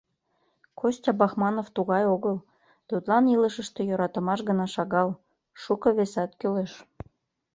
Костя Бахманов тугай огыл, тудлан илышыште йӧратымаш гына шагал, шуко весат кӱлеш.